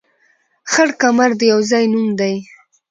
خړ کمر د يو ځاى نوم دى